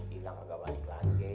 tidak tidak akan kembali lagi